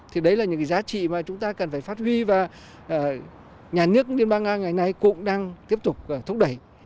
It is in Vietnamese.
thì đấy là những cái giá trị mà chúng ta cần phải phát huy và nhà nước liên bang nga ngày nay cũng đang tiếp tục thúc đẩy